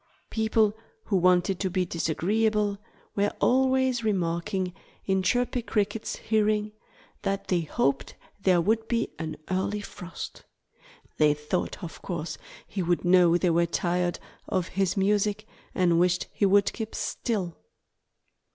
People who wanted to be disagreeable were always remarking in Chirpy Cricket's hearing that they hoped there would be an early frost. They thought of course he would know they were tired of his music and wished he would keep still.